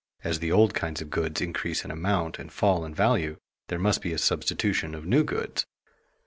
_ As the old kinds of goods increase in amount and fall in value, there must be a substitution of new goods.